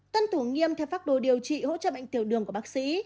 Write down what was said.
tuân thủ nghiêm theo pháp đồ điều trị hỗ trợ bệnh tiểu đường của bác sĩ